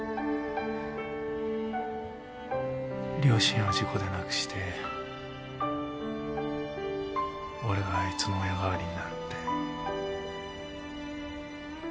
両親を事故で亡くして俺があいつの親代わりになるって。